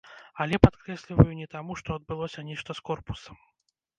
Але, падкрэсліваю, не таму, што адбылося нешта з корпусам.